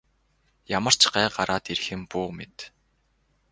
Ямар ч гай гараад ирэх юм бүү мэд.